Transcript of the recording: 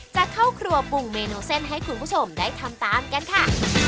จะเข้าครัวปรุงเมนูเส้นให้คุณผู้ชมได้ทำตามกันค่ะ